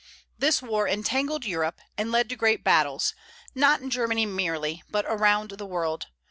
This war entangled Europe, and led to great battles, not in Germany merely, but around the world.